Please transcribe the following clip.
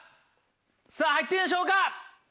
さぁ入ってるんでしょうか？